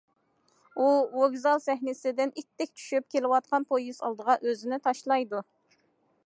ئۇ ۋوگزال سەھنىسىدىن ئىتتىك چۈشۈپ، كېلىۋاتقان پويىز ئالدىغا ئۆزىنى تاشلايدۇ.